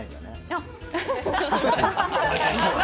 あっ！